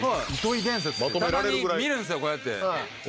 たまに見るんすよこうやって。